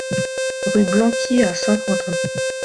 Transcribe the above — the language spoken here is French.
Rue Blanqui à Saint-Quentin